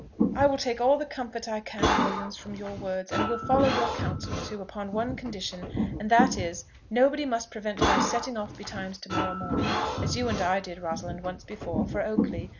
"I will take all the comfort I can, Williams, from your words, and will follow your counsel too, upon one condition; and that is, nobody must prevent my setting off betimes to morrow morning, as you and I did, Rosalind, once before, for Oakley.